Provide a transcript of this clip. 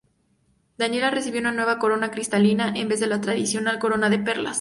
Daniela recibió una nueva corona cristalina en vez de la tradicional corona de perlas.